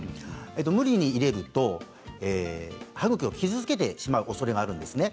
無理に入れると、歯ぐきを傷つけてしまうおそれがあるんですね。